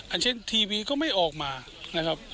อันเช่นทีวีก็ไม่ออกมานะครับ